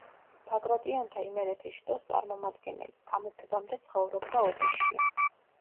ბაგრატიონთა იმერეთის შტოს წარმომადგენელი, გამეფებამდე ცხოვრობდა ოდიშში.